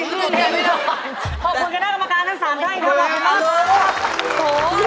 ลื่นอย่างนี้